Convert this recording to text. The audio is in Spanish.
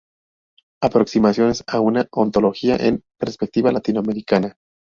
Aproximaciones a una ontología en perspectiva latinoamericana".